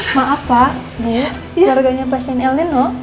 maaf pak ini jarganya pasien el nino